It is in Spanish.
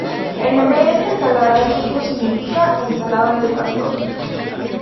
El nombre de esta ensalada en turco significa "ensalada del pastor".